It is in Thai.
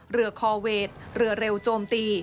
เรือคอร์เวทเรือเร็วโจมตี